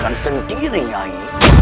tangan sendiri nyai